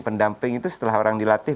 pendamping itu setelah orang dilatih